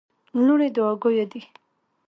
لوڼي دوعا ګویه دي.